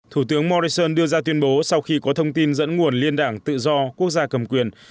thủ tướng morrison đưa ra tuyên bố sau khi có thông tin dẫn nguồn liên đảng tự do quốc gia cầm quyền